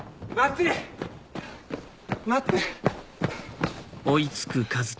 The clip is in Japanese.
待って！